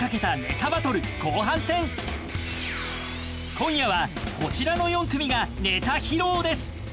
今夜はこちらの４組がネタ披露です。